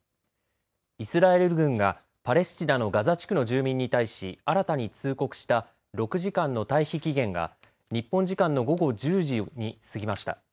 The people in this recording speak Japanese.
イスラエル軍がパレスチナのガザ地区の住民に対し新たに通告した６時間の退避期限が日本時間の午後１０時に過ぎました。